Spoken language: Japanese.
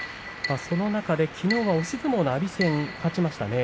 きのうは押し相撲の阿炎戦勝ちましたね。